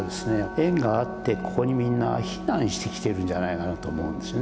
縁があってここにみんな避難してきてるんじゃないかなと思うんですよね。